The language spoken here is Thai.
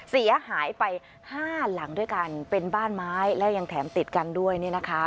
เสียหายไปห้าหลังด้วยกันเป็นบ้านไม้และยังแถมติดกันด้วยเนี่ยนะคะ